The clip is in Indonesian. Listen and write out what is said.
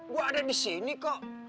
gue ada di sini kok